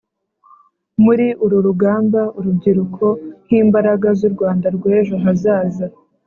Muri uru rugamba, urubyiruko nk'imbaraga z'u Rwanda rw'ejo hazaza